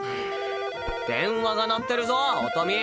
電話が鳴ってるぞぉ音美！